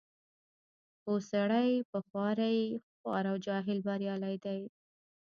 پوه سړی په خوارۍ خوار او جاهل بریالی دی.